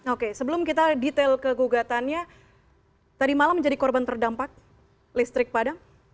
oke sebelum kita detail kegugatannya tadi malam menjadi korban terdampak listrik padam